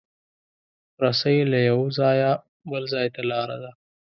رسۍ له یو ځایه بل ځای ته لاره ده.